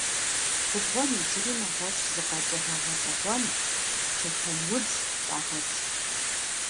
Губгъуэм иджыри нэгъуэщӀ зы къэкӀыгъэ гъэщӀэгъуэн – чэтэнудз - щагъэкӀ.